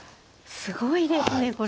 すごいですねこれ。